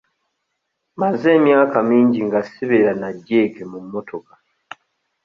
Mmaze emyaka mingi nga sibeera na jjeeke mu mmotoka.